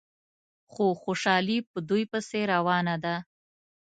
خو خوشحالي په دوی پسې روانه ده.